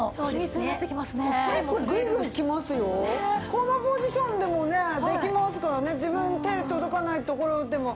このポジションでもねできますからね自分の手届かないところでも。